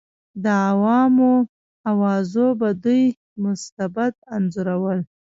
د عوامو اوازو به دوی مستبد انځورول.